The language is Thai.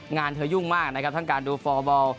งานเธอยุ่งมากนะครับทั้งการดูฟอร์บอล